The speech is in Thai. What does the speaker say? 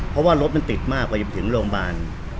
เพราะว่าลดมันติดมากกว่าถึงโรงบานต้องไป